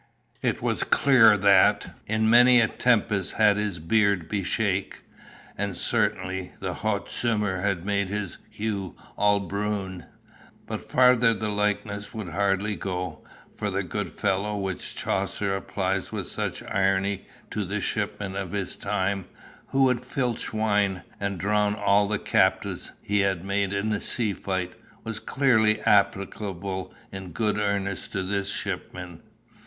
It was clear that "in many a tempest had his beard be shake," and certainly "the hote somer had made his hew all broun;" but farther the likeness would hardly go, for the "good fellow" which Chaucer applies with such irony to the shipman of his time, who would filch wine, and drown all the captives he made in a sea fight, was clearly applicable in good earnest to this shipman.